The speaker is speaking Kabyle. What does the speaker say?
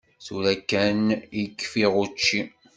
Tura kan i kfiɣ učči.